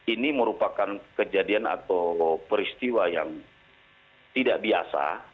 ini merupakan kejadian atau peristiwa yang tidak biasa